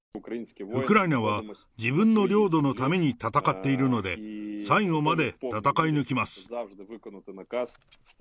ウクライナは自分の領土のために戦っているので、最後まで戦い抜きます。